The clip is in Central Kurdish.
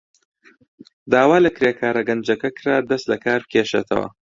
داوا لە کرێکارە گەنجەکە کرا دەست لەکار بکێشێتەوە.